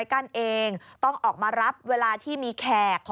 นี่ค่ะคุณผู้ชมพอเราคุยกับเพื่อนบ้านเสร็จแล้วนะน้า